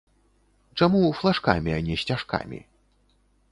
Чаму флажкамі, а не сцяжкамі?